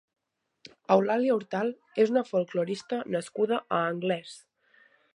Eulàlia Hortal és una folklorista nascuda a Anglès.